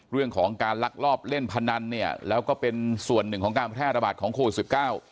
เรื่องของการลักลอบเล่นพนันเนี่ยแล้วก็เป็นส่วนหนึ่งของการประธาบาทของโครต๑๙